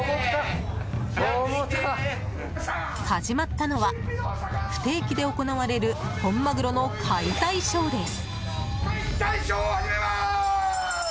始まったのは不定期で行われる本マグロの解体ショーです。